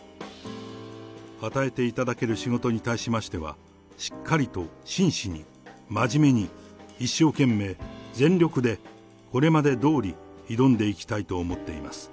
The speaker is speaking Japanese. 与えていただける仕事に対しましては、しっかりと真摯に、真面目に、一生懸命、全力で、これまでどおり挑んでいきたいと思っています。